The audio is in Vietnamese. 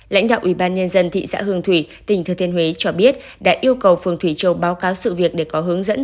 lãnh đạo ubnd thị xã hương thủy tỉnh thừa thiên huế cho biết đã yêu cầu phường thủy châu báo cáo sự việc để có hướng dẫn